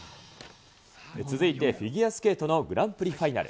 続いてフィギュアスケートのグランプリファイナル。